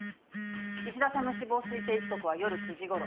衣氏田さんの死亡推定時刻は夜９時ごろ。